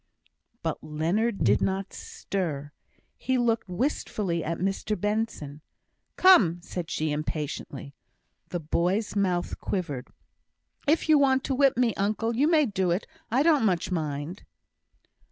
But Leonard did not stir. He looked wistfully at Mr Benson. "Come!" said she, impatiently. The boy's mouth quivered. "If you want to whip me, uncle, you may do it. I don't much mind."